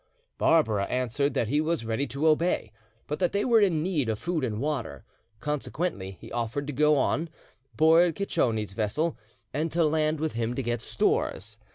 Barbara answered that he was ready to obey, but that they were in need of food and water; consequently he offered to go on, board Cicconi's vessel and to land with him to get stores.